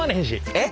えっ？